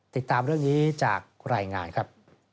ติดตามเรื่องนี้จากรายงานครับ